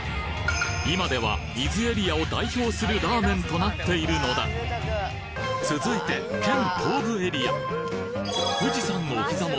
今では伊豆エリアを代表するラーメンとなっているのだ続いて県・東部エリア富士山のお膝元